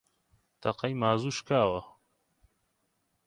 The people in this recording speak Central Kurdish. تەقەی مازوو شکاوە